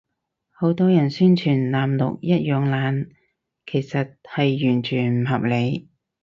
好多人宣傳藍綠一樣爛，其實係完全唔合理